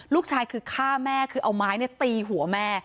ลูกชายคือฆ่าแม่คือเอาไม้ตีหัวแม่